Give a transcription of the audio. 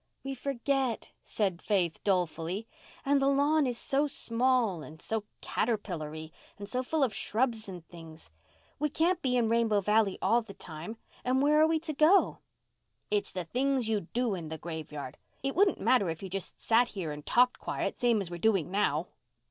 "We forget," said Faith dolefully. "And the lawn is so small—and so caterpillary—and so full of shrubs and things. We can't be in Rainbow Valley all the time—and where are we to go?" "It's the things you do in the graveyard. It wouldn't matter if you just sat here and talked quiet, same as we're doing now.